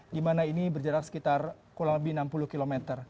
di mana ini berjarak sekitar kurang lebih enam puluh km